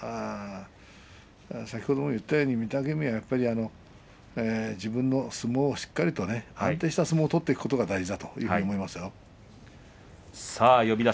先ほども言ったように御嶽海は自分の相撲をしっかりと安定した相撲を取っていくことが大事だと思いますよ。